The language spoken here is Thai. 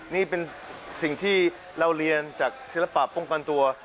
นี่เป็นสิ่งที่เราเรียนจากศิลปะป้องกันตัว